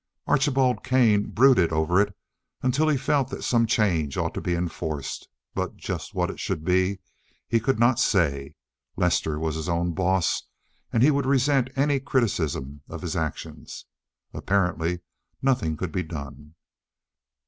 Archibald Kane brooded over it until he felt that some change ought to be enforced, but just what it should be he could not say. Lester was his own boss, and he would resent any criticism of his actions. Apparently, nothing could be done.